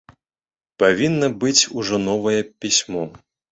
Павінна быць ужо новае пісьмо.